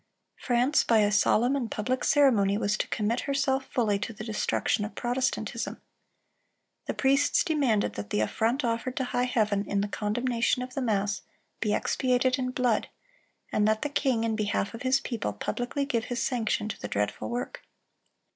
France by a solemn and public ceremony was to commit herself fully to the destruction of Protestantism. The priests demanded that the affront offered to high Heaven in the condemnation of the mass, be expiated in blood, and that the king, in behalf of his people, publicly give his sanction to the dreadful work.